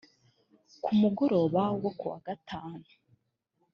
Ku mugoroba wo kuwa gatanu